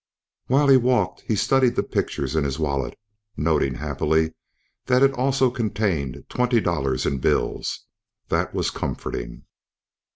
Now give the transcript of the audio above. While he walked he studied the pictures in his wallet, noting happily that it also contained twenty dollars in bills. That was comforting.